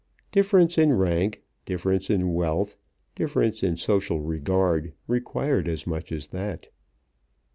Difference in rank, difference in wealth, difference in social regard required as much as that.